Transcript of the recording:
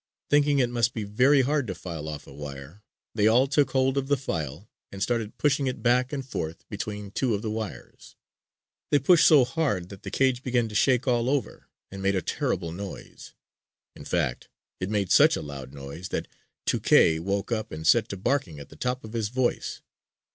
Thinking it must be very hard to file off a wire, they all took hold of the file and started pushing it back and forth between two of the wires. They pushed so hard that the cage began to shake all over and made a terrible noise. In fact, it made such a loud noise that Tuké woke up and set to barking at the top of his voice.